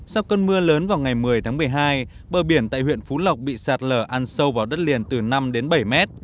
sau cơn mưa lớn vào ngày một mươi tháng một mươi hai bờ biển tại huyện phú lộc bị sạt lở ăn sâu vào đất liền từ năm đến bảy mét